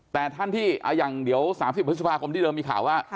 แต่ท่านที่อย่างเดี๋ยว๓๐พฤษภาคมที่เดิมมีข่าวว่า